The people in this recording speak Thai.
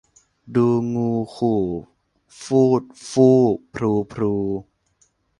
ดูงูขู่ฝูดฝู้ พรูพรู